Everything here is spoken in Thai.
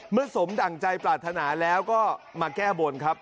สมดั่งใจปรารถนาแล้วก็มาแก้บนครับ